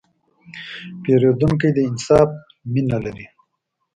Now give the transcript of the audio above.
پیرودونکی د انصاف مینه لري.